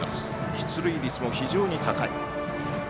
出塁率も非常に高い。